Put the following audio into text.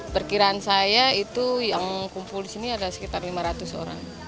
perkiraan saya itu yang kumpul di sini ada sekitar lima ratus orang